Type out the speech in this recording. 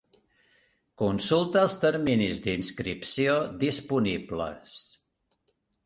Consulta els terminis d'inscripció disponibles.